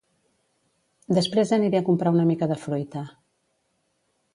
Després aniré a comprar una mica de fruita